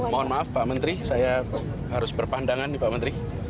mohon maaf pak menteri saya harus berpandangan nih pak menteri